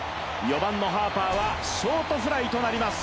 ４番のパーパーはショートフライとなります。